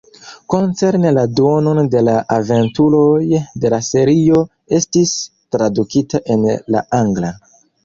Koncerne la duonon de la aventuroj de la serio estis tradukita en la angla.